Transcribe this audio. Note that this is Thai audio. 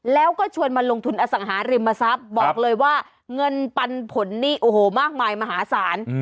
แล้วก็ชวนมาลงทุนอสังหาริมทรัพย์บอกเลยว่าเงินปันผลนี่โอ้โหมากมายมหาศาล